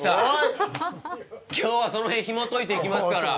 今日はその辺ひもといていきますから。